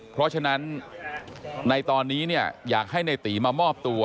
เพราะฉะนั้นในตอนนี้เนี่ยอยากให้ในตีมามอบตัว